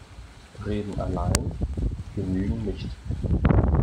Reden allein genügen nicht.